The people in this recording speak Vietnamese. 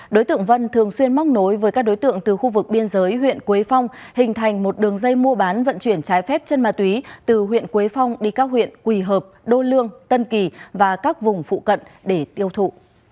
đối tượng vân thường xuyên móc nối với các đối tượng từ khu vực biên giới huyện quế phong hình thành một đường dây mua bán vận chuyển trái phép chân ma túy từ huyện quế phong đi các huyện quỳ hợp đô lương tân kỳ và các vùng phụ cận để tiêu thụ